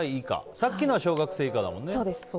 さっきのは小学生以下だもんね。